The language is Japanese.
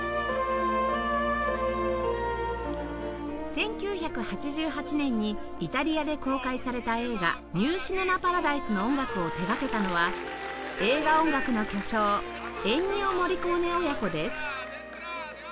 １９８８年にイタリアで公開された映画『ニュー・シネマ・パラダイス』の音楽を手がけたのは映画音楽の巨匠エンニオ・モリコーネ親子です